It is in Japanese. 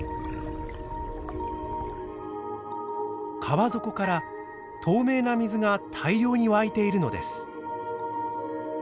川底から透明な水が大量に湧いているのです。